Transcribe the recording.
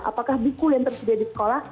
apakah buku yang tersedia di sekolah